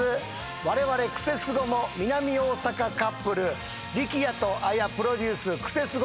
われわれ『クセスゴ！』も南大阪カップル力也と綾プロデュース『クセスゴ！』